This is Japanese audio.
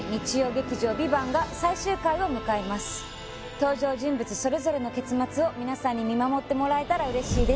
登場人物それぞれの結末を皆さんに見守ってもらえたら嬉しいです